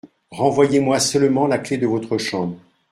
Renvoyez-moi seulement la clef de votre chambre.